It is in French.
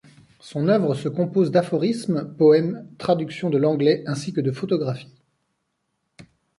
Son œuvre se compose d’aphorismes, poèmes, traductions de l’anglais ainsi que de photographies.